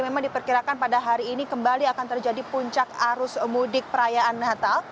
memang diperkirakan pada hari ini kembali akan terjadi puncak arus mudik perayaan natal